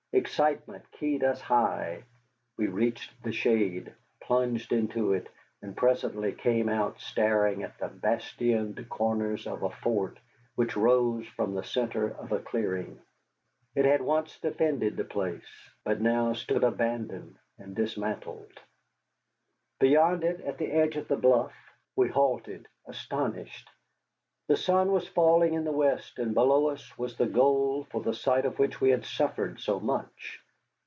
Excitement keyed us high; we reached the shade, plunged into it, and presently came out staring at the bastioned corners of a fort which rose from the centre of a clearing. It had once defended the place, but now stood abandoned and dismantled. Beyond it, at the edge of the bluff, we halted, astonished. The sun was falling in the west, and below us was the goal for the sight of which we had suffered so much.